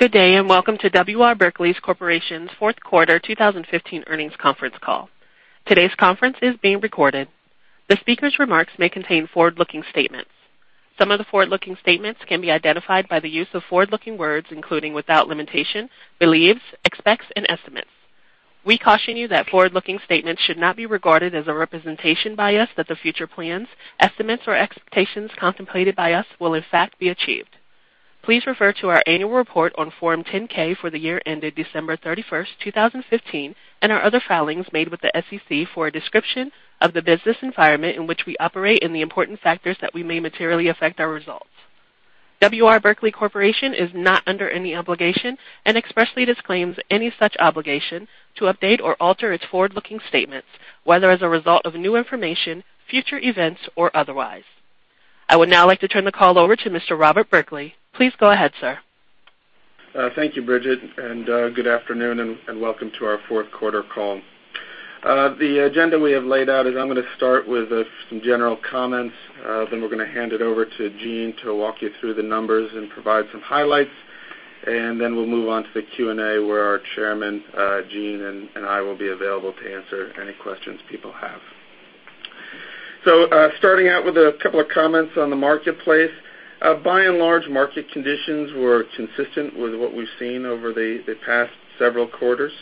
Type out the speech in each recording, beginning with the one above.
Good day. Welcome to W. R. Berkley Corporation's fourth quarter 2015 earnings conference call. Today's conference is being recorded. The speaker's remarks may contain forward-looking statements. Some of the forward-looking statements can be identified by the use of forward-looking words, including, without limitation, believes, expects, and estimates. We caution you that forward-looking statements should not be regarded as a representation by us that the future plans, estimates, or expectations contemplated by us will in fact be achieved. Please refer to our annual report on Form 10-K for the year ended December 31st, 2015, and our other filings made with the SEC for a description of the business environment in which we operate and the important factors that we may materially affect our results. W. R. Berkley Corporation is not under any obligation and expressly disclaims any such obligation to update or alter its forward-looking statements, whether as a result of new information, future events, or otherwise. I would now like to turn the call over to Mr. Robert Berkley. Please go ahead, sir. Thank you, Bridget. Good afternoon. Welcome to our fourth quarter call. The agenda we have laid out is I'm going to start with some general comments, then we're going to hand it over to Gene to walk you through the numbers and provide some highlights. Then we'll move on to the Q&A where our chairman, Gene, and I will be available to answer any questions people have. Starting out with a couple of comments on the marketplace. By and large, market conditions were consistent with what we've seen over the past several quarters.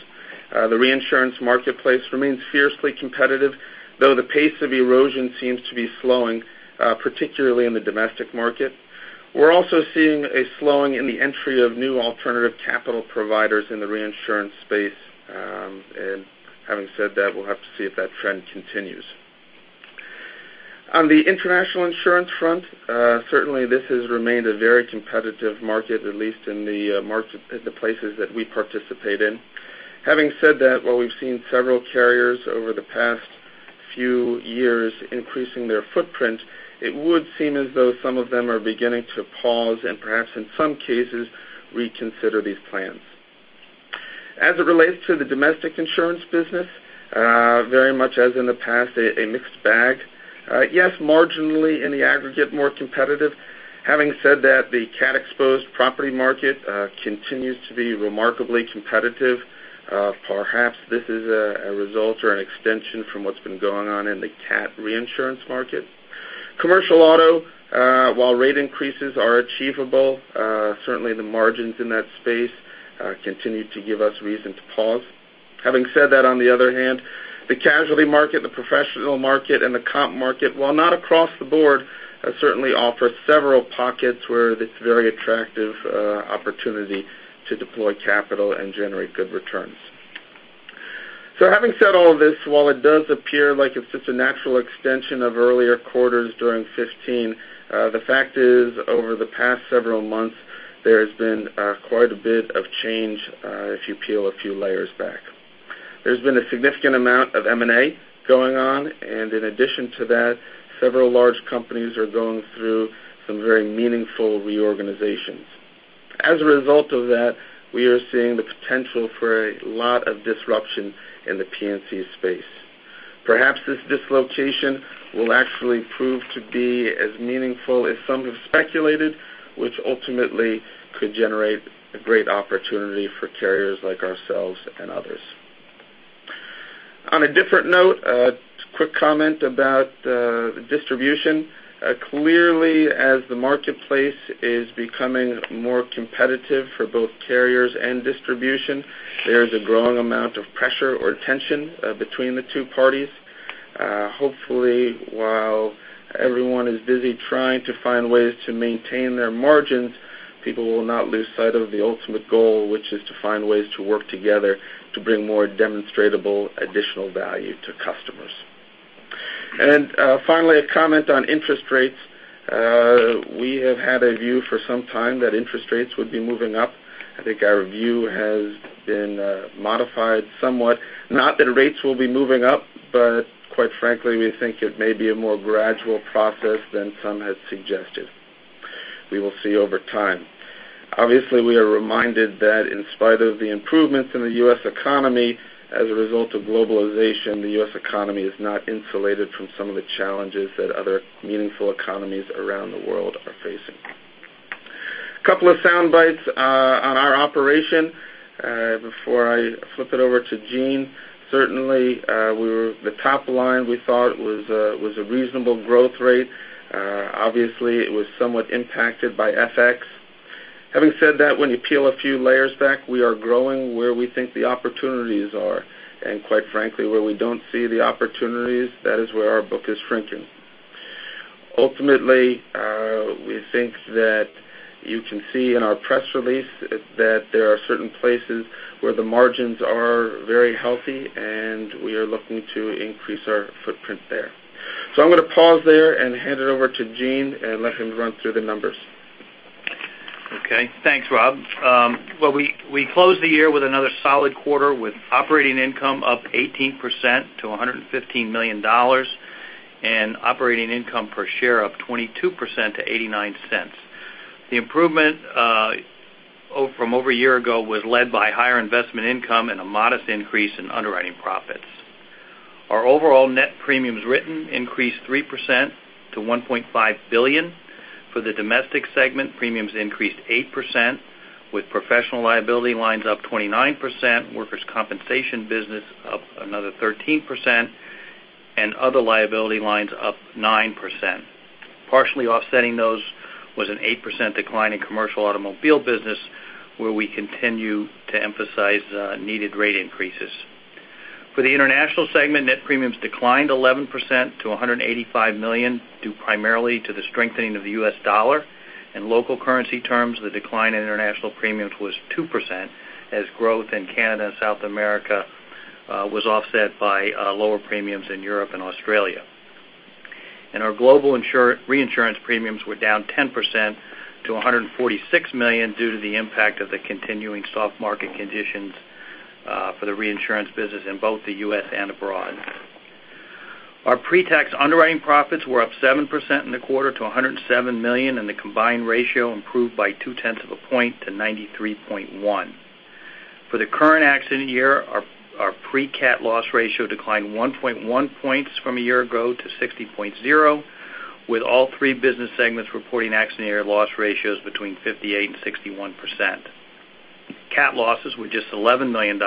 The reinsurance marketplace remains fiercely competitive, though the pace of erosion seems to be slowing, particularly in the domestic market. We're also seeing a slowing in the entry of new alternative capital providers in the reinsurance space. Having said that, we'll have to see if that trend continues. On the international insurance front, certainly this has remained a very competitive market, at least in the places that we participate in. Having said that, while we've seen several carriers over the past few years increasing their footprint, it would seem as though some of them are beginning to pause and perhaps in some cases, reconsider these plans. As it relates to the domestic insurance business, very much as in the past, a mixed bag. Yes, marginally in the aggregate, more competitive. Having said that, the CAT-exposed property market continues to be remarkably competitive. Perhaps this is a result or an extension from what's been going on in the CAT reinsurance market. Commercial auto, while rate increases are achievable, certainly the margins in that space continue to give us reason to pause. Having said that, on the other hand, the casualty market, the professional market, and the comp market, while not across the board, certainly offer several pockets where it's very attractive opportunity to deploy capital and generate good returns. Having said all this, while it does appear like it's just a natural extension of earlier quarters during 2015, the fact is over the past several months, there has been quite a bit of change if you peel a few layers back. There's been a significant amount of M&A going on, and in addition to that, several large companies are going through some very meaningful reorganizations. As a result of that, we are seeing the potential for a lot of disruption in the P&C space. Perhaps this dislocation will actually prove to be as meaningful as some have speculated, which ultimately could generate a great opportunity for carriers like ourselves and others. On a different note, a quick comment about distribution. Clearly, as the marketplace is becoming more competitive for both carriers and distribution, there is a growing amount of pressure or tension between the two parties. Hopefully, while everyone is busy trying to find ways to maintain their margins, people will not lose sight of the ultimate goal, which is to find ways to work together to bring more demonstratable additional value to customers. Finally, a comment on interest rates. We have had a view for some time that interest rates would be moving up. I think our view has been modified somewhat, not that rates will be moving up, but quite frankly, we think it may be a more gradual process than some had suggested. We will see over time. Obviously, we are reminded that in spite of the improvements in the U.S. economy as a result of globalization, the U.S. economy is not insulated from some of the challenges that other meaningful economies around the world are facing. A couple of sound bites on our operation before I flip it over to Gene. Certainly, the top line we thought was a reasonable growth rate. Obviously, it was somewhat impacted by FX. Having said that, when you peel a few layers back, we are growing where we think the opportunities are. Quite frankly, where we don't see the opportunities, that is where our book is shrinking. Ultimately, we think that you can see in our press release that there are certain places where the margins are very healthy, and we are looking to increase our footprint there. I'm going to pause there and hand it over to Gene and let him run through the numbers. Okay. Thanks, Rob. Well, we closed the year with another solid quarter with operating income up 18% to $115 million and operating income per share up 22% to $0.89. The improvement from over a year ago was led by higher investment income and a modest increase in underwriting profits. Our overall net premiums written increased 3% to $1.5 billion. For the Domestic segment, premiums increased 8%, with professional liability lines up 29%, workers' compensation business up another 13%, and other liability lines up 9%. Partially offsetting those was an 8% decline in commercial automobile business, where we continue to emphasize needed rate increases. For the International segment, net premiums declined 11% to $185 million, due primarily to the strengthening of the U.S. dollar. In local currency terms, the decline in international premiums was 2%, as growth in Canada and South America was offset by lower premiums in Europe and Australia. Our global reinsurance premiums were down 10% to $146 million due to the impact of the continuing soft market conditions for the reinsurance business in both the U.S. and abroad. Our pre-tax underwriting profits were up 7% in the quarter to $107 million, and the combined ratio improved by two-tenths of a point to 93.1. For the current accident year, our pre-CAT loss ratio declined 1.1 points from a year ago to 60.0, with all three business segments reporting accident year loss ratios between 58% and 61%. CAT losses were just $11 million,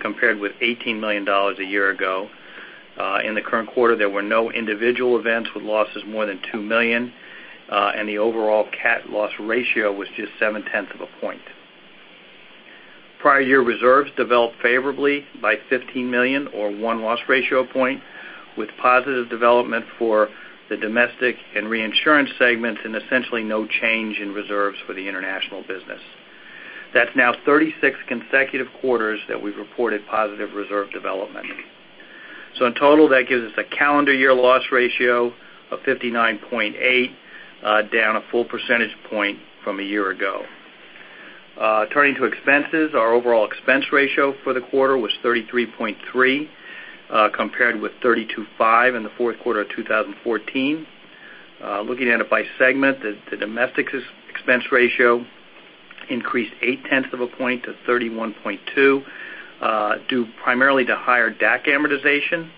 compared with $18 million a year ago. In the current quarter, there were no individual events with losses more than $2 million, and the overall CAT loss ratio was just seven-tenths of a point. Prior year reserves developed favorably by $15 million or one loss ratio point, with positive development for the domestic and reinsurance segments, and essentially no change in reserves for the international business. That's now 36 consecutive quarters that we've reported positive reserve development. In total, that gives us a calendar year loss ratio of 59.8, down a full percentage point from a year ago. Turning to expenses, our overall expense ratio for the quarter was 33.3, compared with 32.5 in the fourth quarter of 2014. Looking at it by segment, the domestic expense ratio increased eight-tenths of a point to 31.2, due primarily to higher DAC amortization.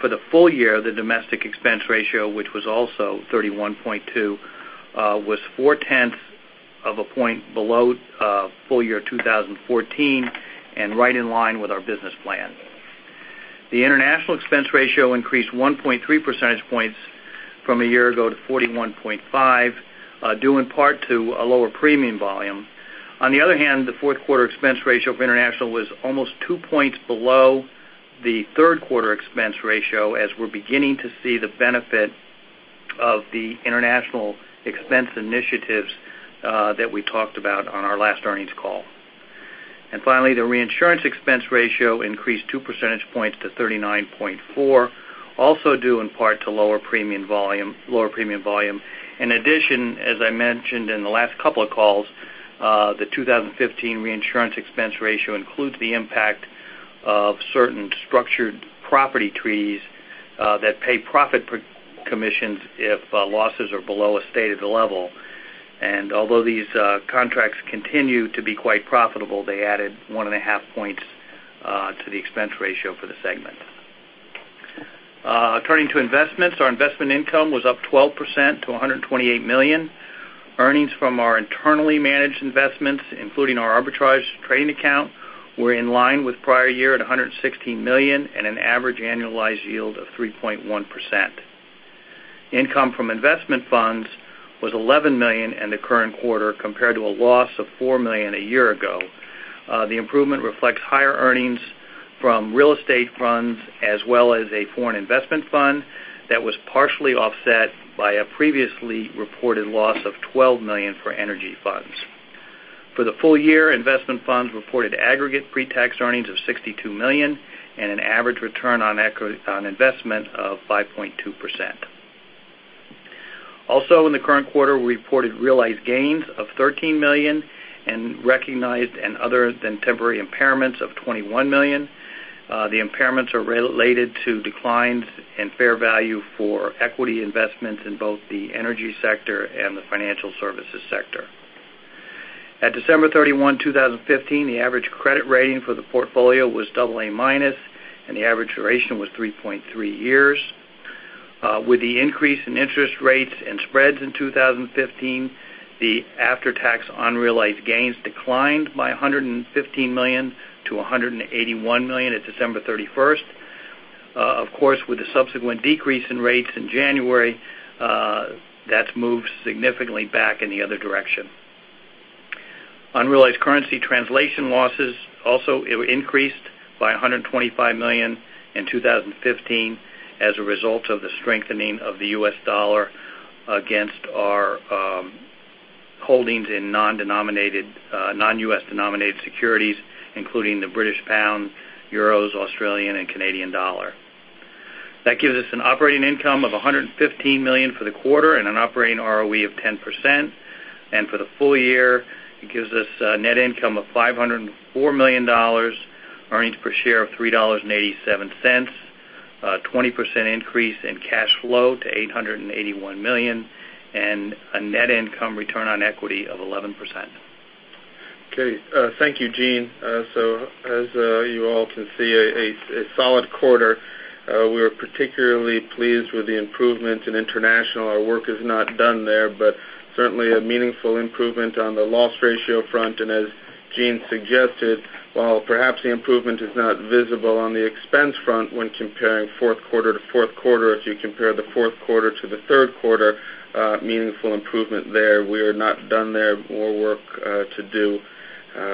For the full year, the domestic expense ratio, which was also 31.2, was four-tenths of a point below full year 2014 and right in line with our business plan. The international expense ratio increased 1.3 percentage points from a year ago to 41.5, due in part to a lower premium volume. On the other hand, the fourth quarter expense ratio of international was almost two points below the third quarter expense ratio, as we're beginning to see the benefit of the international expense initiatives that we talked about on our last earnings call. Finally, the reinsurance expense ratio increased two percentage points to 39.4, also due in part to lower premium volume. In addition, as I mentioned in the last couple of calls, the 2015 reinsurance expense ratio includes the impact of certain structured property treaties that pay profit commissions if losses are below a stated level. Although these contracts continue to be quite profitable, they added one and a half points to the expense ratio for the segment. Turning to investments, our investment income was up 12% to $128 million. Earnings from our internally managed investments, including our arbitrage trading account, were in line with prior year at $116 million and an average annualized yield of 3.1%. Income from investment funds was $11 million in the current quarter, compared to a loss of $4 million a year ago. The improvement reflects higher earnings from real estate funds, as well as a foreign investment fund that was partially offset by a previously reported loss of $12 million for energy funds. For the full year, investment funds reported aggregate pre-tax earnings of $62 million and an average return on investment of 5.2%. Also in the current quarter, we reported realized gains of $13 million and recognized other than temporary impairments of $21 million. The impairments are related to declines in fair value for equity investments in both the energy sector and the financial services sector. At December 31, 2015, the average credit rating for the portfolio was double A minus, and the average duration was 3.3 years. With the increase in interest rates and spreads in 2015, the after-tax unrealized gains declined by $115 million to $181 million at December 31st. Of course, with the subsequent decrease in rates in January, that's moved significantly back in the other direction. Unrealized currency translation losses also increased by $125 million in 2015 as a result of the strengthening of the US dollar against our holdings in non-US denominated securities, including the British pound, euros, Australian, and Canadian dollar. That gives us an operating income of $115 million for the quarter and an operating ROE of 10%. For the full year, it gives us net income of $504 million, earnings per share of $3.87, 20% increase in cash flow to $881 million, and a net income return on equity of 11%. Okay. Thank you, Gene. As you all can see, a solid quarter. We are particularly pleased with the improvement in international. Our work is not done there, but certainly a meaningful improvement on the loss ratio front. As Gene suggested, while perhaps the improvement is not visible on the expense front when comparing fourth quarter to fourth quarter, if you compare the fourth quarter to the third quarter, meaningful improvement there. We are not done there. More work to do,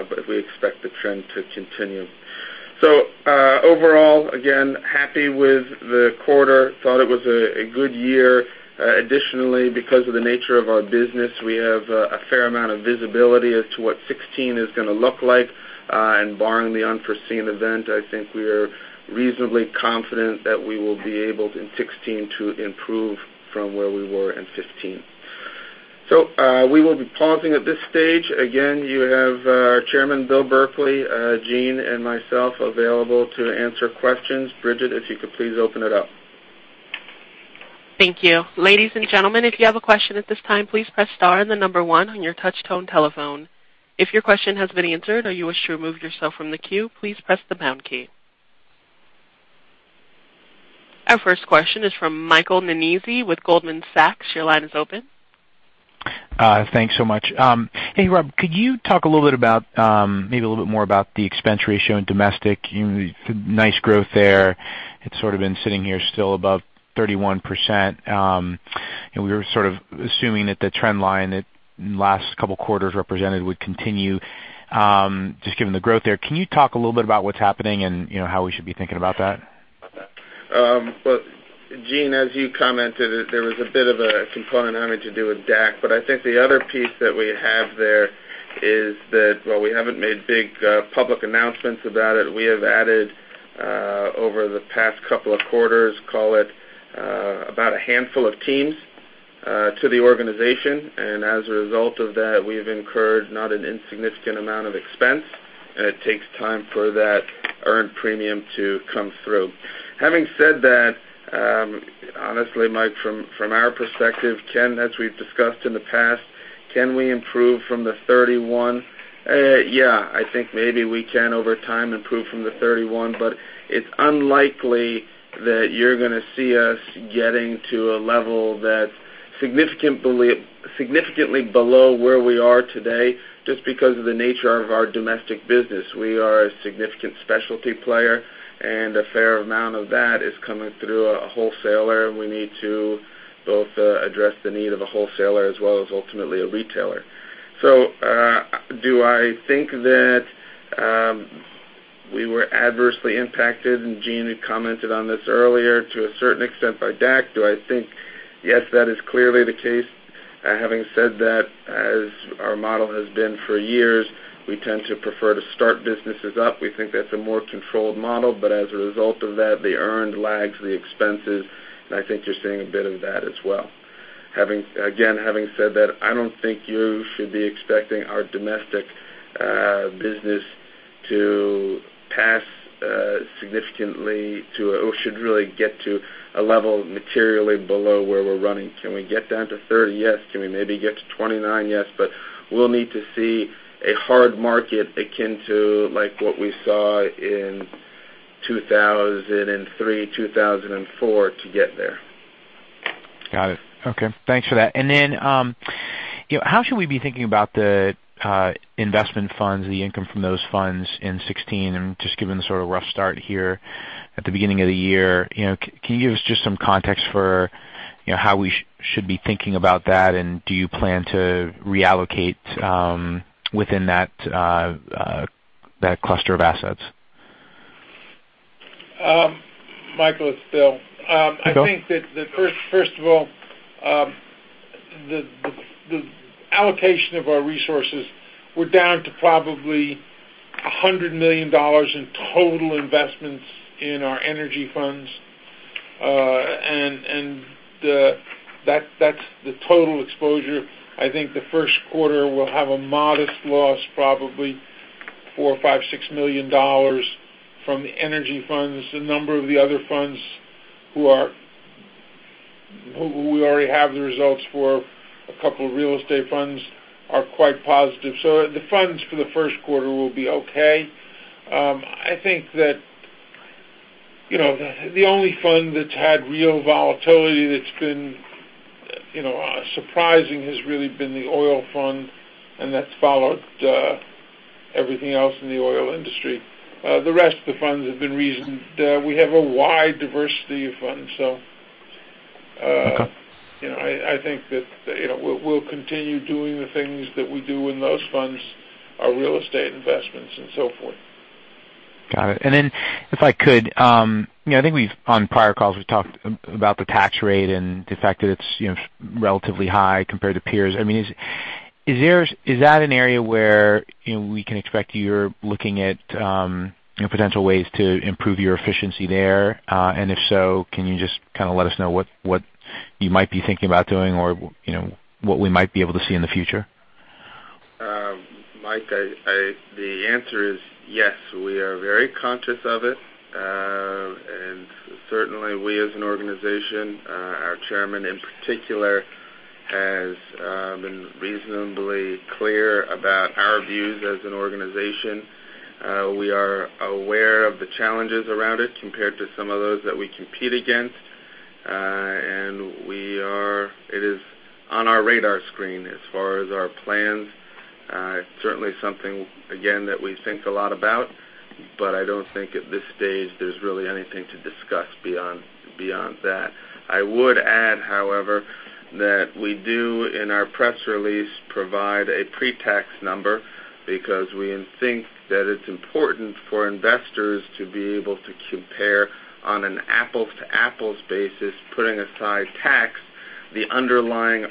but we expect the trend to continue. Overall, again, happy with the quarter. Thought it was a good year. Additionally, because of the nature of our business, we have a fair amount of visibility as to what 2016 is going to look like. Barring the unforeseen event, I think we are reasonably confident that we will be able, in 2016, to improve from where we were in 2015. We will be pausing at this stage. Again, you have our chairman, Bill Berkley, Gene, and myself available to answer questions. Bridget, if you could please open it up. Thank you. Ladies and gentlemen, if you have a question at this time, please press star and the number 1 on your touch-tone telephone. If your question has been answered or you wish to remove yourself from the queue, please press the pound key. Our first question is from Michael Zaremski with Goldman Sachs. Your line is open. Thanks so much. Hey, Rob, could you talk maybe a little bit more about the expense ratio in domestic? Nice growth there. It's sort of been sitting here still above 31%. We were sort of assuming that the trend line that last couple quarters represented would continue, just given the growth there. Can you talk a little bit about what's happening and how we should be thinking about that? Well, Gene, as you commented, there was a bit of a component having to do with DAC, but I think the other piece that we have there is that while we haven't made big public announcements about it, we have added, over the past couple of quarters, call it about a handful of teams to the organization. As a result of that, we've incurred not an insignificant amount of expense. It takes time for that earned premium to come through. Having said that, honestly, Mike, from our perspective, as we've discussed in the past, can we improve from the 31? Yeah, I think maybe we can over time improve from the 31, but it's unlikely that you're going to see us getting to a level that's significantly below where we are today just because of the nature of our domestic business. We are a significant specialty player and a fair amount of that is coming through a wholesaler. We need to both address the need of a wholesaler as well as ultimately a retailer. Do I think that we were adversely impacted, and Gene had commented on this earlier to a certain extent by DAC? Do I think, yes, that is clearly the case. Having said that, as our model has been for years, we tend to prefer to start businesses up. We think that's a more controlled model, as a result of that, the earned lags, the expenses, and I think you're seeing a bit of that as well. Again, having said that, I don't think you should be expecting our domestic business to pass significantly to, or should really get to a level materially below where we're running. Can we get down to 30? Yes. Can we maybe get to 29? Yes. We'll need to see a hard market akin to what we saw in 2003, 2004 to get there. Got it. Okay. Thanks for that. Then, how should we be thinking about the investment funds, the income from those funds in 2016? Just given the sort of rough start here at the beginning of the year, can you give us just some context for how we should be thinking about that? Do you plan to reallocate within that cluster of assets? Michael, it's Bill. Bill. I think that first of all, the allocation of our resources, we're down to probably $100 million in total investments in our energy funds. That's the total exposure. I think the first quarter will have a modest loss, probably $4 million or $5 million, $6 million from the energy funds. A number of the other funds who we already have the results for, a couple of real estate funds are quite positive. The funds for the first quarter will be okay. I think that the only fund that's had real volatility that's been surprising has really been the oil fund, and that's followed everything else in the oil industry. The rest of the funds have been reasoned. We have a wide diversity of funds. Okay. I think that we'll continue doing the things that we do in those funds, our real estate investments and so forth. Got it. Then if I could, I think on prior calls, we've talked about the tax rate and the fact that it's relatively high compared to peers. Is that an area where we can expect you're looking at potential ways to improve your efficiency there? If so, can you just kind of let us know what you might be thinking about doing or what we might be able to see in the future? Mike, the answer is yes. We are very conscious of it. Certainly, we as an organization, our Chairman in particular, has been reasonably clear about our views as an organization. We are aware of the challenges around it compared to some of those that we compete against. It is on our radar screen as far as our plans. It's certainly something, again, that we think a lot about, but I don't think at this stage there's really anything to discuss beyond that. I would add, however, that we do, in our press release, provide a pre-tax number because we think that it's important for investors to be able to compare on an apples-to-apples basis, putting aside tax, the underlying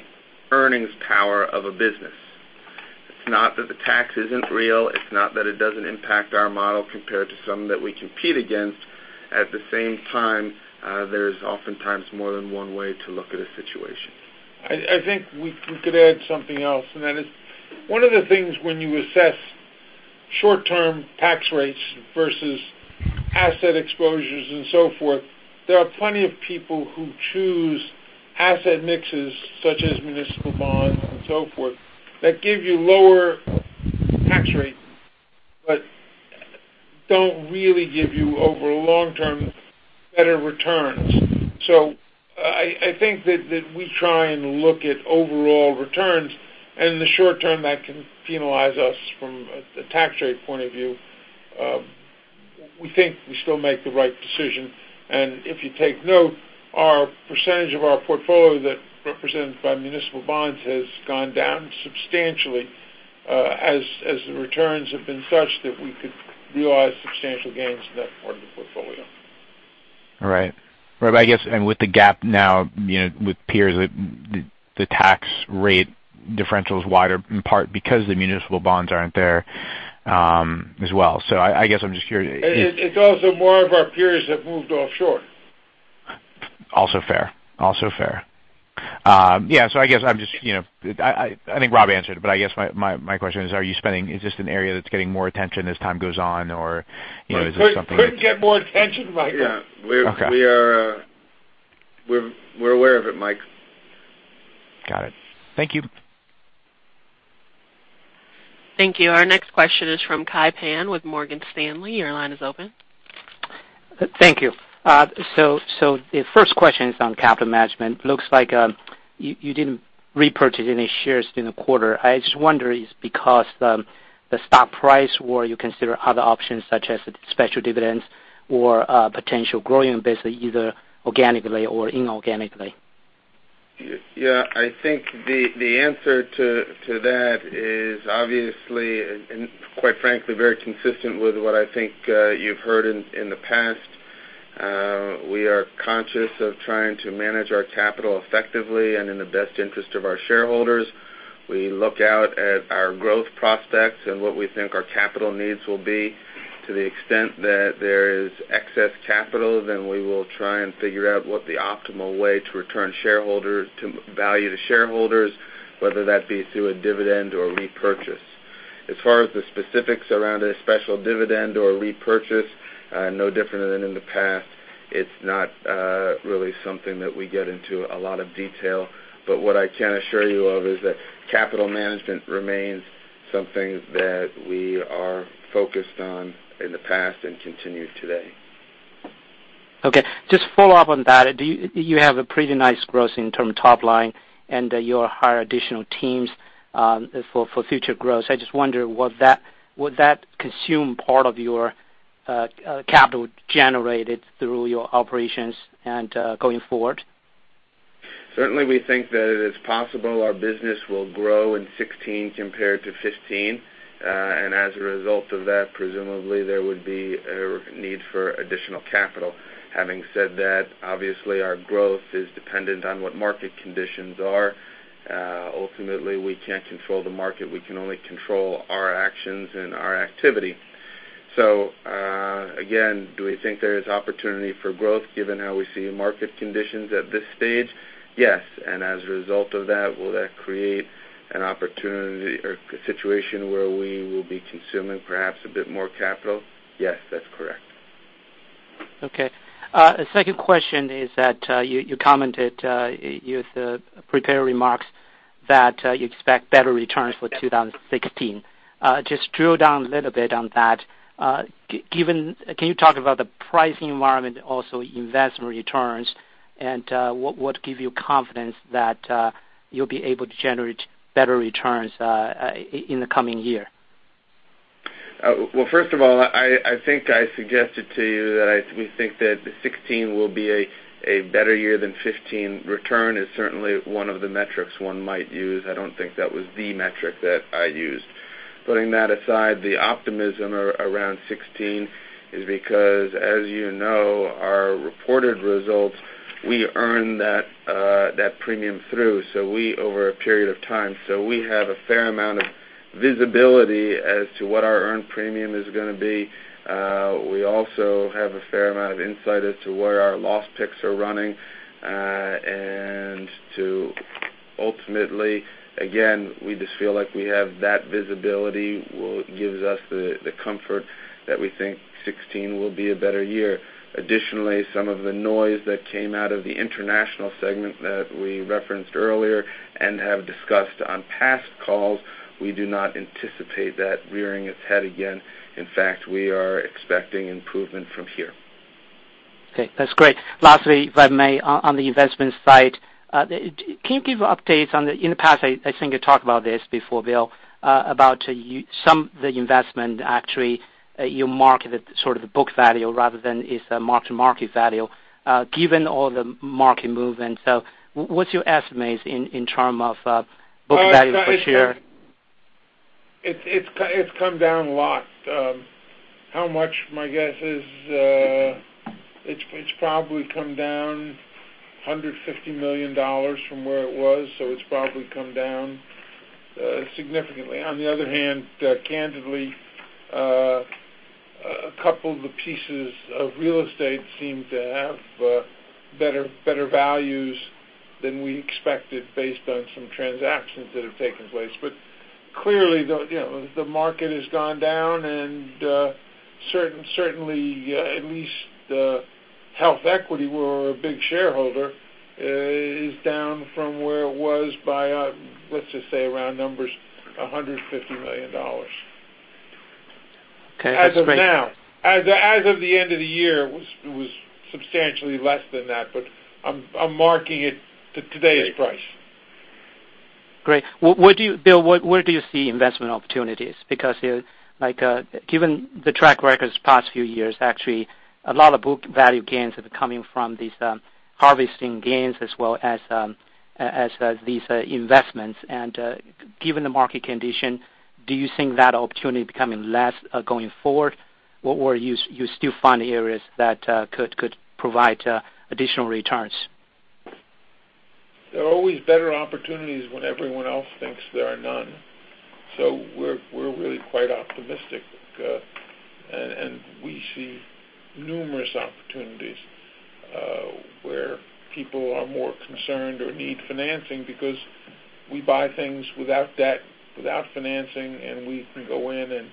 earnings power of a business. It's not that the tax isn't real, it's not that it doesn't impact our model compared to some that we compete against. At the same time, there's oftentimes more than one way to look at a situation. I think we could add something else, and that is, one of the things when you assess short-term tax rates versus asset exposures and so forth, there are plenty of people who choose asset mixes such as municipal bonds and so forth, that give you lower tax rates, but don't really give you, over long term, better returns. I think that we try and look at overall returns, and in the short term, that can penalize us from a tax rate point of view. We think we still make the right decision. If you take note, our percentage of our portfolio that represented by municipal bonds has gone down substantially as the returns have been such that we could realize substantial gains in that part of the portfolio. Right. I guess, with the gap now with peers, the tax rate differential is wider in part because the municipal bonds aren't there as well. I guess I'm just curious. It's also more of our peers have moved offshore. Also fair. Also fair. Yeah. I guess I think Rob answered, but I guess my question is this an area that's getting more attention as time goes on? Or is this something that? Couldn't get more attention, Michael. Yeah. Okay. We're aware of it, Mike. Got it. Thank you. Thank you. Our next question is from Kai Pan with Morgan Stanley. Your line is open. Thank you. The first question is on capital management. Looks like you didn't repurchase any shares during the quarter. I just wonder, is it because the stock price, or you consider other options such as special dividends or potential growing the business either organically or inorganically? I think the answer to that is obviously, quite frankly, very consistent with what I think you've heard in the past. We are conscious of trying to manage our capital effectively and in the best interest of our shareholders. We look out at our growth prospects and what we think our capital needs will be. To the extent that there is excess capital, we will try and figure out what the optimal way to return value to shareholders, whether that be through a dividend or repurchase. As far as the specifics around a special dividend or repurchase, no different than in the past. It's not really something that we get into a lot of detail. What I can assure you of is that capital management remains something that we are focused on in the past and continue today. Okay. Just follow up on that. You have a pretty nice growth in term top line, and you hire additional teams for future growth. I just wonder, would that consume part of your capital generated through your operations and going forward? Certainly, we think that it is possible our business will grow in 2016 compared to 2015. As a result of that, presumably there would be a need for additional capital. Having said that, obviously, our growth is dependent on what market conditions are. Ultimately, we can't control the market. We can only control our actions and our activity. Again, do we think there is opportunity for growth given how we see market conditions at this stage? Yes. As a result of that, will that create an opportunity or situation where we will be consuming perhaps a bit more capital? Yes, that's correct. Okay. Second question is that you commented in your prepared remarks that you expect better returns for 2016. Just drill down a little bit on that. Can you talk about the pricing environment, also investment returns, and what give you confidence that you'll be able to generate better returns in the coming year? First of all, I think I suggested to you that we think that 2016 will be a better year than 2015. Return is certainly one of the metrics one might use. I don't think that was the metric that I used. Putting that aside, the optimism around 2016 is because, as you know, our reported results, we earn that premium over a period of time. We have a fair amount of visibility as to what our earned premium is going to be. We also have a fair amount of insight as to where our loss picks are running. Ultimately, again, we just feel like we have that visibility, gives us the comfort that we think 2016 will be a better year. Additionally, some of the noise that came out of the international segment that we referenced earlier and have discussed on past calls, we do not anticipate that rearing its head again. In fact, we are expecting improvement from here. Okay, that's great. Lastly, if I may, on the investment side, can you give In the past, I think you talked about this before, Bill, about some of the investment, actually, you mark sort of the book value rather than its market value, given all the market movements. What's your estimates in term of book value per share? It's come down a lot. How much? My guess is, it's probably come down $150 million from where it was, it's probably come down significantly. On the other hand, candidly, a couple of the pieces of real estate seem to have better values than we expected based on some transactions that have taken place. Clearly, the market has gone down and, certainly, at least HealthEquity, where we're a big shareholder, is down from where it was by, let's just say round numbers, $150 million. Okay, that's great. As of now. As of the end of the year, it was substantially less than that, but I'm marking it to today's price. Great. Bill, where do you see investment opportunities? Given the track records the past few years, actually, a lot of book value gains have been coming from these harvesting gains as well as these investments. Given the market condition, do you think that opportunity becoming less going forward? You still find areas that could provide additional returns? There are always better opportunities when everyone else thinks there are none. We're really quite optimistic. We see numerous opportunities, where people are more concerned or need financing because we buy things without debt, without financing, and we can go in and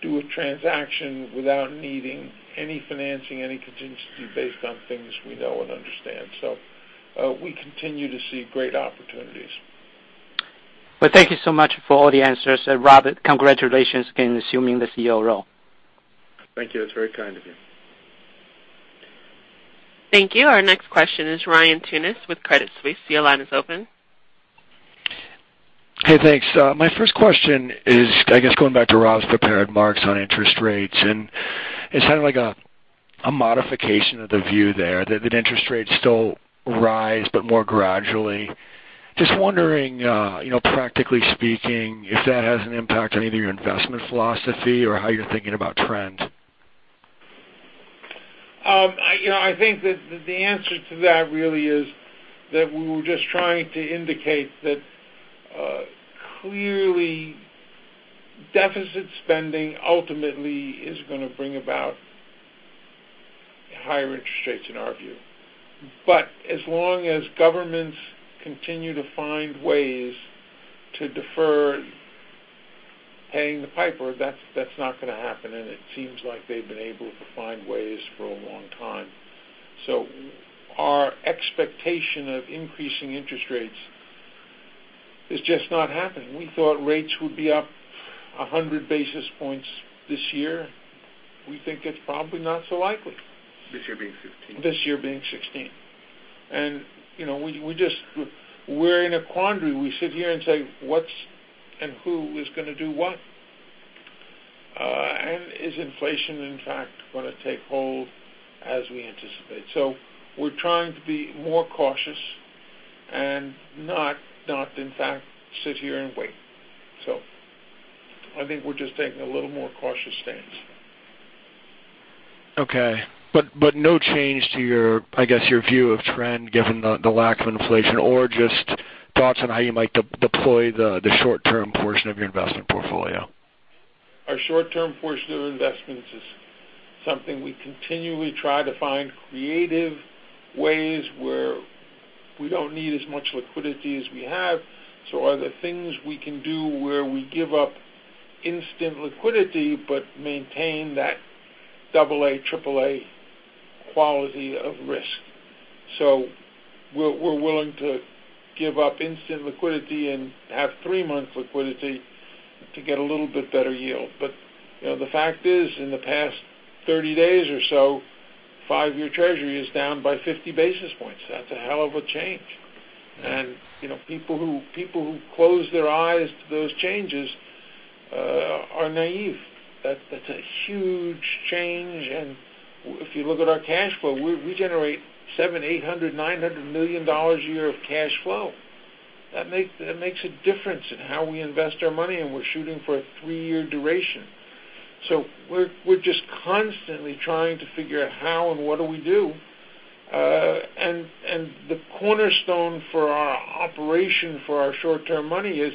do a transaction without needing any financing, any contingency based on things we know and understand. We continue to see great opportunities. Well, thank you so much for all the answers. Robert, congratulations again assuming the CEO role. Thank you. That's very kind of you. Thank you. Our next question is Ryan Tunis with Credit Suisse. Your line is open. Hey, thanks. My first question is, I guess, going back to Rob's prepared remarks on interest rates, and it's kind of like a modification of the view there, that interest rates still rise, but more gradually. Just wondering, practically speaking, if that has an impact on either your investment philosophy or how you're thinking about trend? I think that the answer to that really is that we were just trying to indicate that clearly deficit spending ultimately is going to bring about higher interest rates, in our view. As long as governments continue to find ways to defer paying the piper, that's not going to happen, and it seems like they've been able to find ways for a long time. Our expectation of increasing interest rates is just not happening. We thought rates would be up 100 basis points this year. We think it's probably not so likely. This year being 2016. This year being 2016. We're in a quandary. We sit here and say, "What's and who is going to do what? Is inflation, in fact, going to take hold as we anticipate?" We're trying to be more cautious and not, in fact, sit here and wait. I think we're just taking a little more cautious stance. Okay. No change to your, I guess, your view of trend given the lack of inflation, or just thoughts on how you might deploy the short-term portion of your investment portfolio? Our short-term portion of investments is something we continually try to find creative ways where we don't need as much liquidity as we have. Are there things we can do where we give up instant liquidity but maintain that double A, triple A quality of risk? We're willing to give up instant liquidity and have three-month liquidity to get a little bit better yield. The fact is, in the past 30 days or so, five-year Treasury is down by 50 basis points. That's a hell of a change. People who close their eyes to those changes are naive. That's a huge change and if you look at our cash flow, we generate $700, $800, $900 million a year of cash flow. That makes a difference in how we invest our money, and we're shooting for a three-year duration. We're just constantly trying to figure out how and what do we do. The cornerstone for our operation for our short-term money is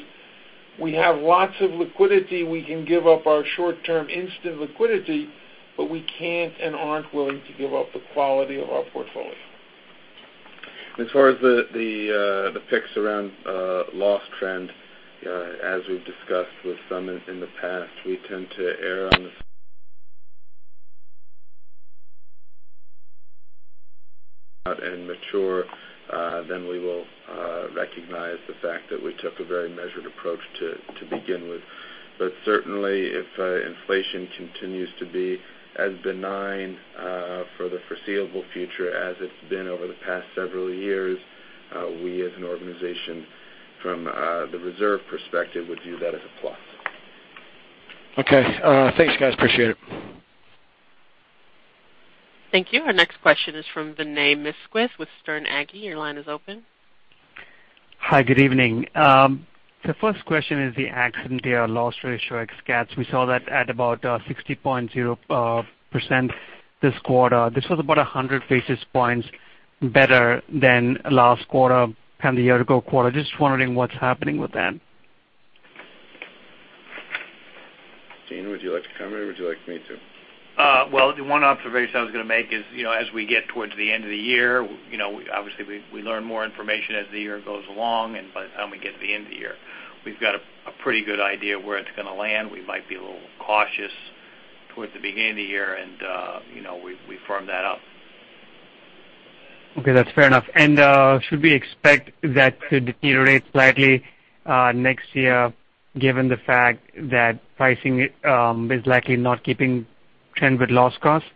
We have lots of liquidity. We can give up our short-term instant liquidity, but we can't and aren't willing to give up the quality of our portfolio. As far as the picks around loss trend, as we've discussed with some in the past, we tend to err on the side and mature, then we will recognize the fact that we took a very measured approach to begin with. Certainly, if inflation continues to be as benign for the foreseeable future as it's been over the past several years, we as an organization from the reserve perspective, would view that as a plus. Okay. Thanks, guys. Appreciate it. Thank you. Our next question is from Vinay Misquith with Sterne Agee. Your line is open. Hi. Good evening. The first question is the accident year loss ratio ex CATs. We saw that at about 60.0% this quarter. This was about 100 basis points better than last quarter and the year-over-year quarter. Just wondering what's happening with that. Gene, would you like to comment or would you like me to? Well, the one observation I was going to make is as we get towards the end of the year, obviously we learn more information as the year goes along, and by the time we get to the end of the year, we've got a pretty good idea where it's going to land. We might be a little cautious towards the beginning of the year, and we firm that up. Okay, that's fair enough. Should we expect that to deteriorate slightly next year, given the fact that pricing is likely not keeping trend with loss cost?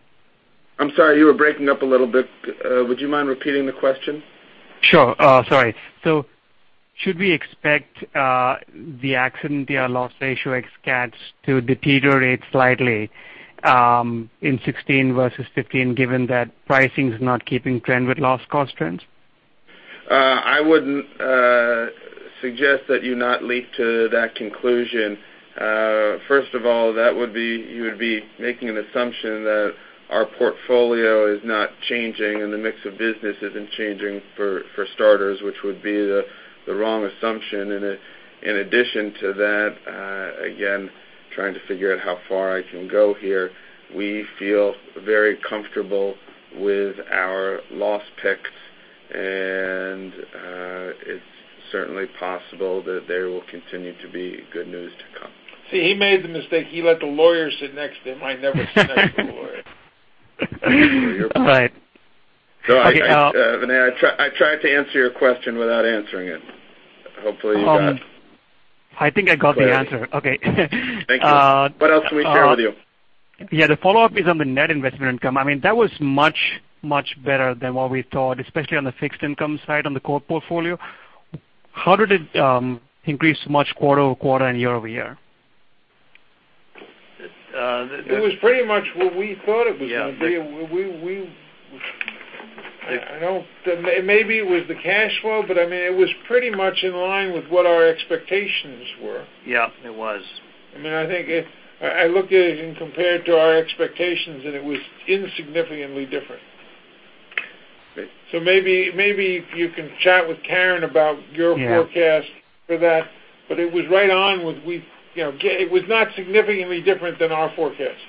I'm sorry, you were breaking up a little bit. Would you mind repeating the question? Sure. Sorry. Should we expect the accident year loss ratio ex CATs to deteriorate slightly in 2016 versus 2015, given that pricing is not keeping trend with loss cost trends? I wouldn't suggest that you not leap to that conclusion. First of all, you would be making an assumption that our portfolio is not changing and the mix of business isn't changing for starters, which would be the wrong assumption. In addition to that, again, trying to figure out how far I can go here, we feel very comfortable with our loss picks, and it's certainly possible that there will continue to be good news to come. See, he made the mistake. He let the lawyer sit next to him. I never sit next to the lawyer. All right. Vinay, I tried to answer your question without answering it. Hopefully you got I think I got the answer. Okay. Thank you. What else can we share with you? Yeah, the follow-up is on the net investment income. That was much, much better than what we thought, especially on the fixed income side on the core portfolio. How did it increase so much quarter-over-quarter and year-over-year? It was pretty much what we thought it was going to be. Maybe it was the cash flow, but it was pretty much in line with what our expectations were. Yeah, it was. I looked at it and compared to our expectations, and it was insignificantly different. Maybe you can chat with Karen about your forecast for that, but it was right on. It was not significantly different than our forecast.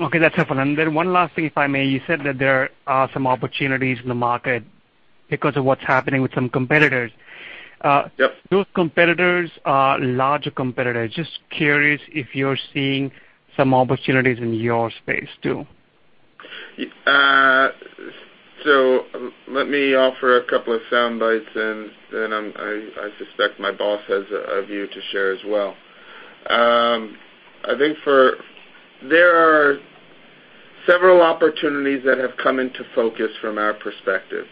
Okay, that's helpful. One last thing, if I may. You said that there are some opportunities in the market because of what's happening with some competitors. Yep. Those competitors are larger competitors. I'm just curious if you're seeing some opportunities in your space, too. Let me offer a couple of sound bites. I suspect my boss has a view to share as well. There are several opportunities that have come into focus from our perspective.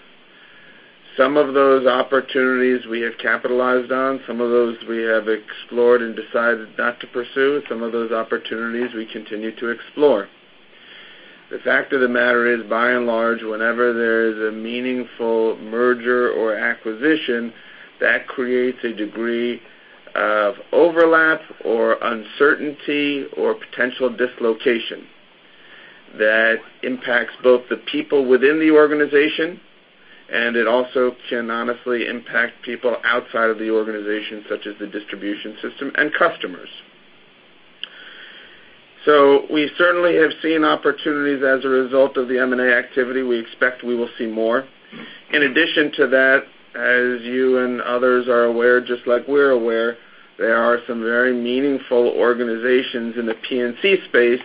Some of those opportunities we have capitalized on, some of those we have explored and decided not to pursue. Some of those opportunities we continue to explore. The fact of the matter is, by and large, whenever there is a meaningful merger or acquisition, that creates a degree of overlap or uncertainty or potential dislocation that impacts both the people within the organization, and it also can honestly impact people outside of the organization, such as the distribution system and customers. We certainly have seen opportunities as a result of the M&A activity. We expect we will see more. In addition to that, as you and others are aware, just like we're aware, there are some very meaningful organizations in the P&C space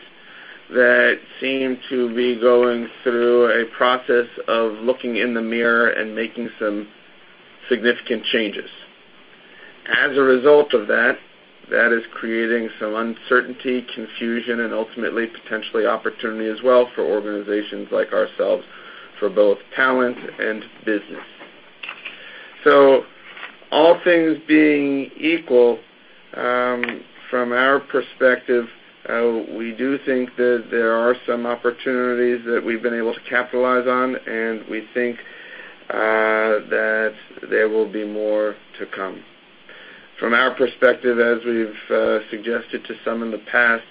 that seem to be going through a process of looking in the mirror and making some significant changes. As a result of that is creating some uncertainty, confusion, and ultimately, potentially opportunity as well for organizations like ourselves for both talent and business. All things being equal, from our perspective, we do think that there are some opportunities that we've been able to capitalize on, and we think that there will be more to come. From our perspective, as we've suggested to some in the past,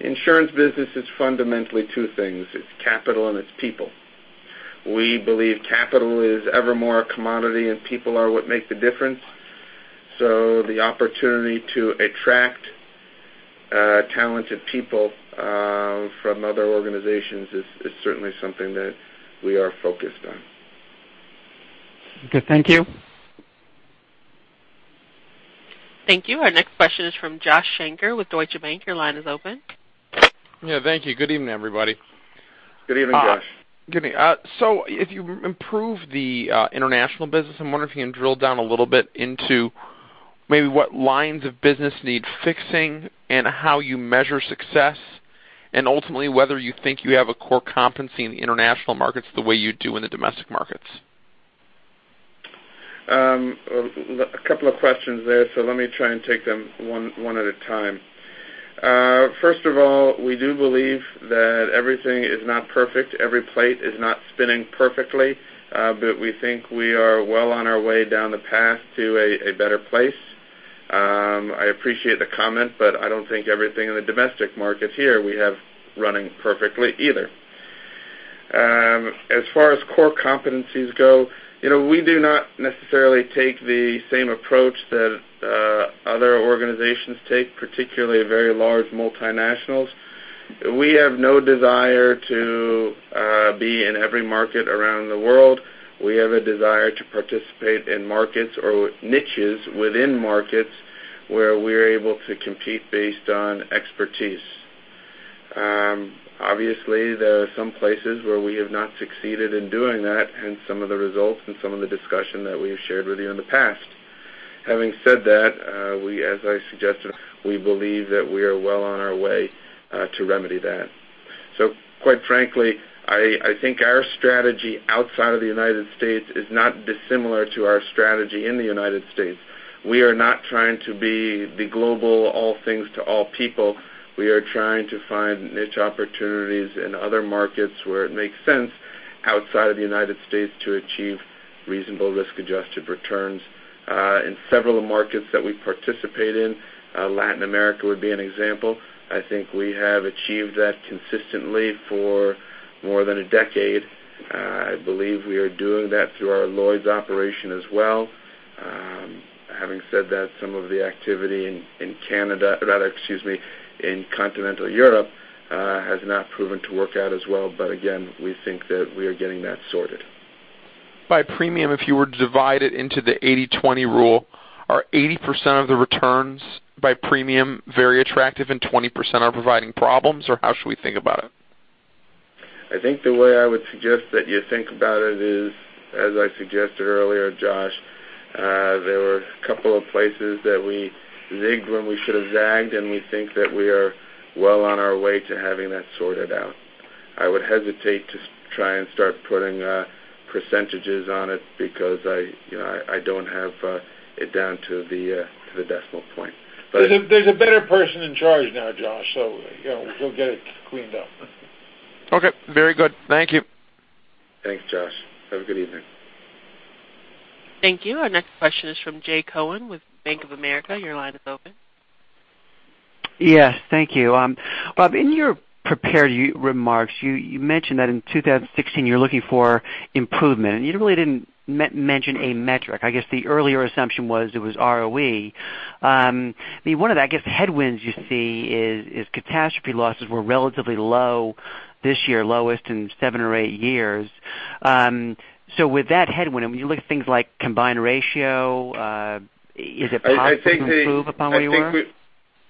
insurance business is fundamentally two things. It's capital and it's people. We believe capital is ever more a commodity and people are what make the difference. The opportunity to attract talented people from other organizations is certainly something that we are focused on. Good. Thank you. Thank you. Our next question is from Joshua Shanker with Deutsche Bank. Your line is open. Yeah. Thank you. Good evening, everybody. Good evening, Josh. Good evening. If you improve the international business, I'm wondering if you can drill down a little bit into maybe what lines of business need fixing and how you measure success, and ultimately, whether you think you have a core competency in the international markets the way you do in the domestic markets. A couple of questions there, so let me try and take them one at a time. First of all, we do believe that everything is not perfect. Every plate is not spinning perfectly. We think we are well on our way down the path to a better place. I appreciate the comment, but I don't think everything in the domestic market here we have running perfectly either. As far as core competencies go, we do not necessarily take the same approach that other organizations take, particularly very large multinationals. We have no desire to be in every market around the world. We have a desire to participate in markets or niches within markets where we're able to compete based on expertise. Obviously, there are some places where we have not succeeded in doing that, and some of the results and some of the discussion that we have shared with you in the past. Having said that, as I suggested, we believe that we are well on our way to remedy that. Quite frankly, I think our strategy outside of the United States is not dissimilar to our strategy in the United States. We are not trying to be the global all things to all people. We are trying to find niche opportunities in other markets where it makes sense outside of the United States to achieve reasonable risk-adjusted returns. In several of the markets that we participate in, Latin America would be an example. I think we have achieved that consistently for more than a decade. I believe we are doing that through our Lloyd's operation as well. Having said that, some of the activity in Canada, excuse me, in continental Europe, has not proven to work out as well. Again, we think that we are getting that sorted. By premium, if you were to divide it into the 80/20 rule, are 80% of the returns by premium very attractive and 20% are providing problems, or how should we think about it? I think the way I would suggest that you think about it is, as I suggested earlier, Josh, there were a couple of places that we zigged when we should have zagged, and we think that we are well on our way to having that sorted out. I would hesitate to try and start putting percentages on it because I don't have it down to the decimal point. There's a better person in charge now, Josh. We'll get it cleaned up. Okay, very good. Thank you. Thanks, Josh. Have a good evening. Thank you. Our next question is from Jay Cohen with Bank of America. Your line is open. Yes, thank you. Bob, in your prepared remarks, you mentioned that in 2016, you're looking for improvement, and you really didn't mention a metric. I guess the earlier assumption was it was ROE. One of, I guess, headwinds you see is catastrophe losses were relatively low this year, lowest in seven or eight years. With that headwind, when you look at things like combined ratio, is it possible to improve upon what you were?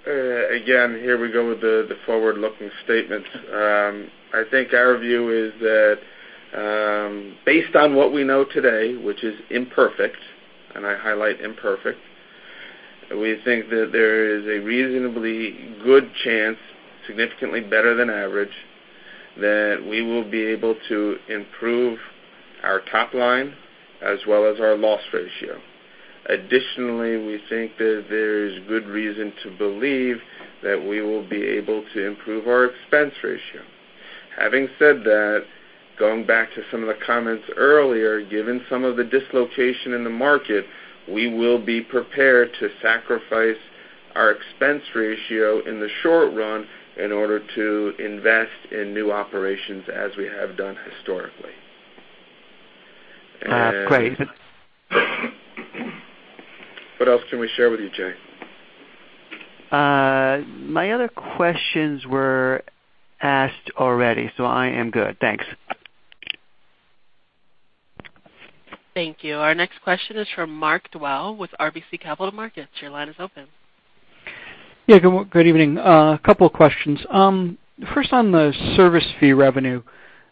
Here we go with the forward-looking statements. I think our view is that based on what we know today, which is imperfect, and I highlight imperfect, we think that there is a reasonably good chance, significantly better than average, that we will be able to improve our top line as well as our loss ratio. Additionally, we think that there is good reason to believe that we will be able to improve our expense ratio. Having said that, going back to some of the comments earlier, given some of the dislocation in the market, we will be prepared to sacrifice our expense ratio in the short run in order to invest in new operations as we have done historically. Great. What else can we share with you, Jay? My other questions were asked already. I am good. Thanks. Thank you. Our next question is from Mark Dwelle with RBC Capital Markets. Your line is open. Yeah, good evening. A couple of questions. First on the service fee revenue.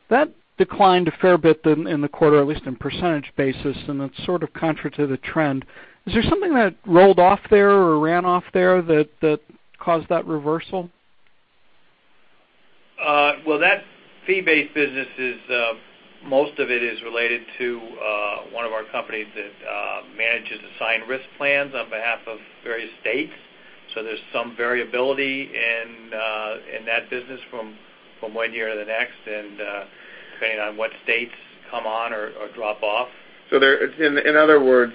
That declined a fair bit in the quarter, at least on percentage basis, and that's sort of contrary to the trend. Is there something that rolled off there or ran off there that caused that reversal? Well, that fee-based business, most of it is related to one of our companies that manages assigned risk plans on behalf of various states. There's some variability in that business from one year to the next, depending on what states come Drop off? In other words,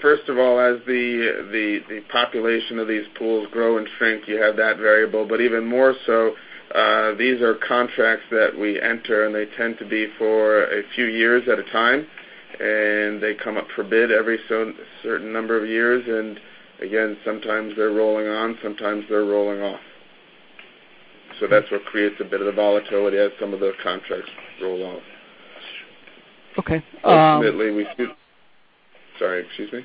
first of all, as the population of these pools grow and shrink, you have that variable. Even more so, these are contracts that we enter, and they tend to be for a few years at a time, and they come up for bid every certain number of years. Again, sometimes they're rolling on, sometimes they're rolling off. That's what creates a bit of the volatility as some of those contracts roll off. Okay. Ultimately, Sorry, excuse me?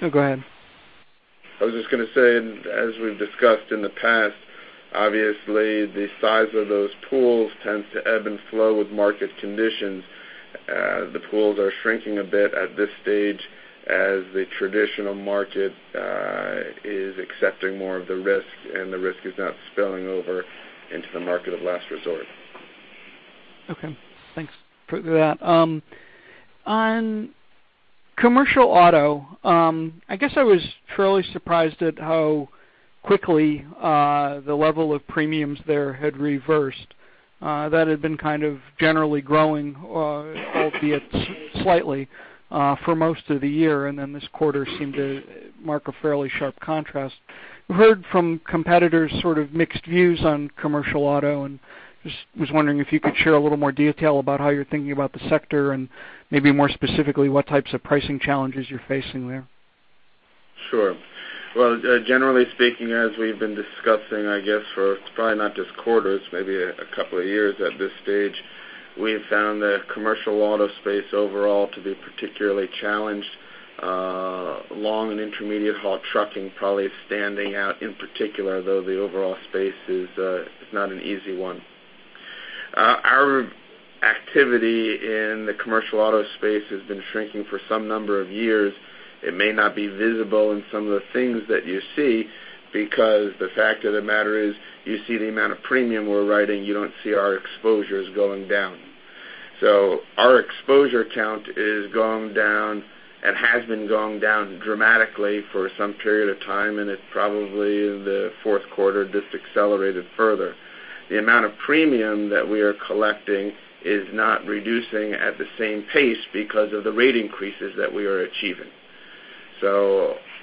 No, go ahead. I was just going to say, as we've discussed in the past, obviously, the size of those pools tends to ebb and flow with market conditions. The pools are shrinking a bit at this stage as the traditional market is accepting more of the risk, and the risk is not spilling over into the market of last resort. Okay. Thanks for that. On commercial auto, I guess I was truly surprised at how quickly the level of premiums there had reversed. That had been kind of generally growing, albeit slightly, for most of the year, and then this quarter seemed to mark a fairly sharp contrast. We heard from competitors sort of mixed views on commercial auto and just was wondering if you could share a little more detail about how you're thinking about the sector and maybe more specifically, what types of pricing challenges you're facing there. Sure. Well, generally speaking, as we've been discussing, I guess for probably not just quarters, maybe a couple of years at this stage, we've found the commercial auto space overall to be particularly challenged. Long and intermediate haul trucking probably is standing out in particular, though the overall space is not an easy one. Our activity in the commercial auto space has been shrinking for some number of years. It may not be visible in some of the things that you see because the fact of the matter is, you see the amount of premium we're writing, you don't see our exposures going down. Our exposure count is going down and has been going down dramatically for some period of time, and it probably in the fourth quarter just accelerated further. The amount of premium that we are collecting is not reducing at the same pace because of the rate increases that we are achieving.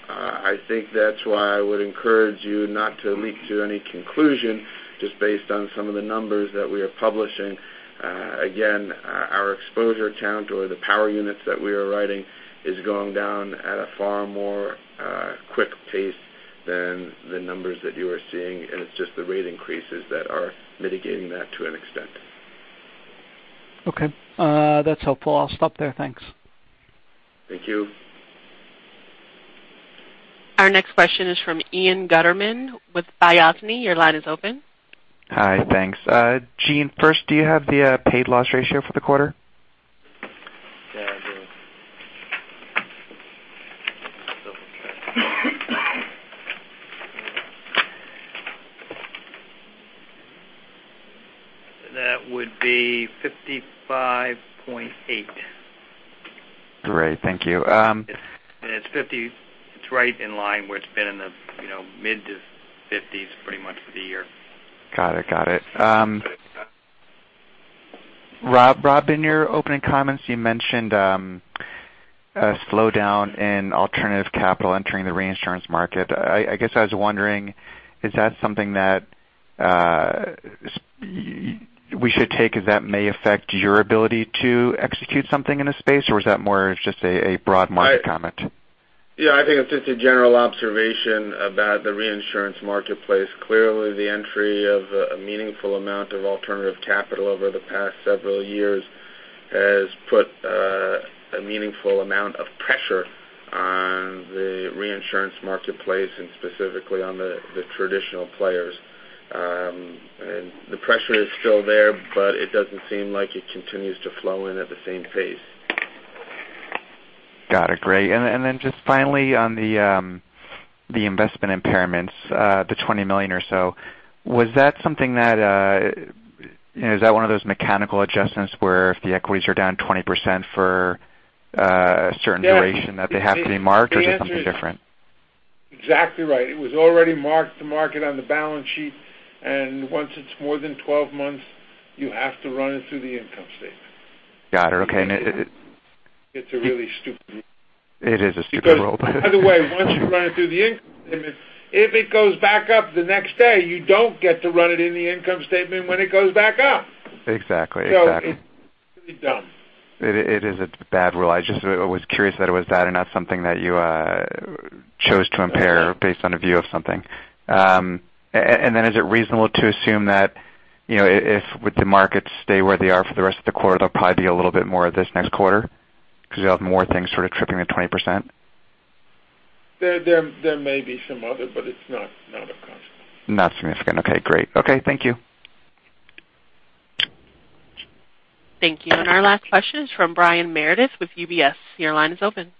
I think that's why I would encourage you not to leap to any conclusion just based on some of the numbers that we are publishing. Again, our exposure count or the power units that we are writing is going down at a far more quick pace than the numbers that you are seeing, and it's just the rate increases that are mitigating that to an extent. Okay. That's helpful. I'll stop there. Thanks. Thank you. Our next question is from Ian Gutterman with Balyasny. Your line is open. Hi. Thanks. Gene, first, do you have the paid loss ratio for the quarter? Yeah, I do. That would be 55.8. Great. Thank you. It's right in line where it's been in the mid to fifties pretty much for the year. Got it. Rob, in your opening comments, you mentioned a slowdown in alternative capital entering the reinsurance market. I guess I was wondering, is that something that we should take as that may affect your ability to execute something in a space, or is that more just a broad market comment? Yeah, I think it's just a general observation about the reinsurance marketplace. Clearly, the entry of a meaningful amount of alternative capital over the past several years has put a meaningful amount of pressure on the reinsurance marketplace and specifically on the traditional players. The pressure is still there, but it doesn't seem like it continues to flow in at the same pace. Got it. Great. Then just finally on the investment impairments, the $20 million or so. Is that one of those mechanical adjustments where if the equities are down 20% for a certain duration that they have to be marked, or is it something different? Exactly right. It was already marked to market on the balance sheet, once it's more than 12 months, you have to run it through the income statement. Got it. Okay. It's a really stupid rule. It is a stupid rule. by the way, once you run it through the income statement, if it goes back up the next day, you don't get to run it in the income statement when it goes back up. Exactly. It's really dumb. It is a bad rule. I just was curious that it was that and not something that you chose to impair based on a view of something. Is it reasonable to assume that if with the markets stay where they are for the rest of the quarter, there'll probably be a little bit more of this next quarter because you have more things sort of tripping at 20%? There may be some other, it's not of consequence. Not significant. Okay, great. Okay, thank you. Thank you. Our last question is from Brian Meredith with UBS. Your line is open.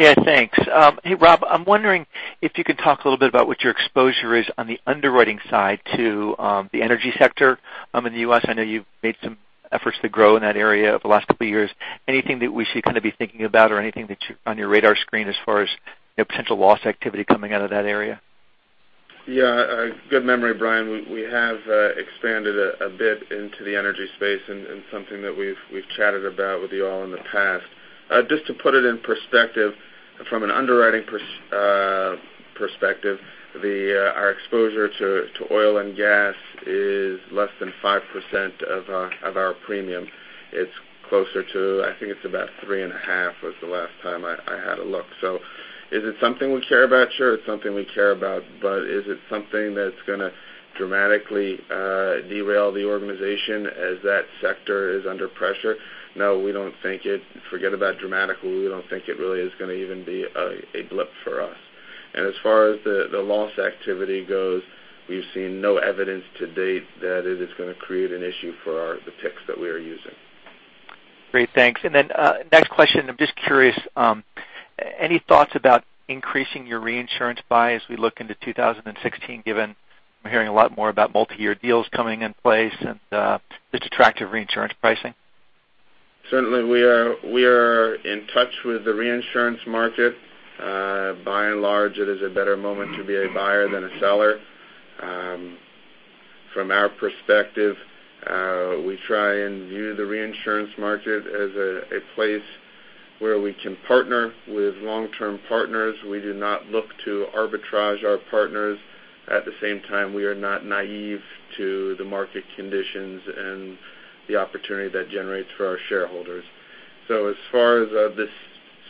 Yeah, thanks. Hey, Rob, I'm wondering if you could talk a little bit about what your exposure is on the underwriting side to the energy sector in the U.S. I know you've made some efforts to grow in that area over the last couple of years. Anything that we should kind of be thinking about or anything on your radar screen as far as potential loss activity coming out of that area? Yeah. Good memory, Brian. We have expanded a bit into the energy space, something that we've chatted about with you all in the past. Just to put it in perspective from an underwriting perspective, our exposure to oil and gas is less than 5% of our premium. It's closer to, I think it's about three and a half was the last time I had a look. Is it something we care about? Sure, it's something we care about, but is it something that's going to dramatically derail the organization as that sector is under pressure? No, we don't think it really is going to even be a blip for us. As far as the loss activity goes, we've seen no evidence to date that it is going to create an issue for the risks that we are using. Great. Thanks. Next question, I'm just curious, any thoughts about increasing your reinsurance buy as we look into 2016, given we're hearing a lot more about multi-year deals coming in place and just attractive reinsurance pricing? Certainly, we are in touch with the reinsurance market. By and large, it is a better moment to be a buyer than a seller. From our perspective, we try and view the reinsurance market as a place where we can partner with long-term partners. We do not look to arbitrage our partners. At the same time, we are not naive to the market conditions and the opportunity that generates for our shareholders. As far as the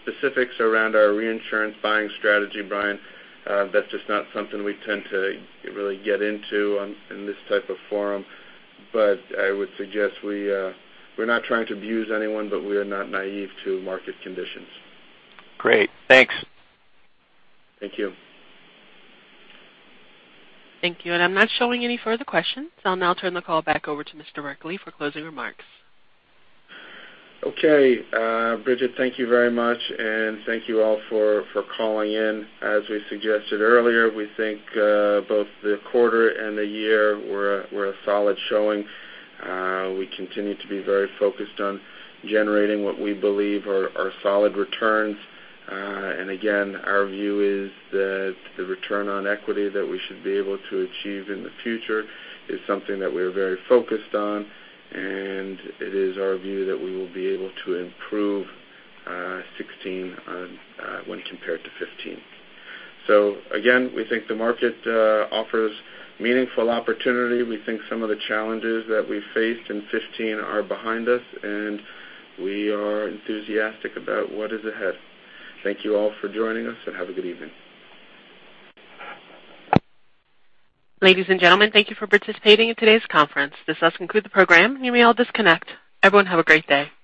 specifics around our reinsurance buying strategy, Brian, that's just not something we tend to really get into in this type of forum. I would suggest we're not trying to abuse anyone, we are not naive to market conditions. Great. Thanks. Thank you. Thank you. I'm not showing any further questions. I'll now turn the call back over to Mr. Berkley for closing remarks. Okay. Bridget, thank you very much, and thank you all for calling in. As we suggested earlier, we think both the quarter and the year were a solid showing. We continue to be very focused on generating what we believe are solid returns. Again, our view is that the return on equity that we should be able to achieve in the future is something that we are very focused on, and it is our view that we will be able to improve 2016 when compared to 2015. Again, we think the market offers meaningful opportunity. We think some of the challenges that we faced in 2015 are behind us, and we are enthusiastic about what is ahead. Thank you all for joining us, and have a good evening. Ladies and gentlemen, thank you for participating in today's conference. This does conclude the program. You may all disconnect. Everyone have a great day.